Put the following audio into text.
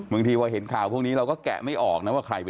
บางทีนี่เราก็แกะไม่ออก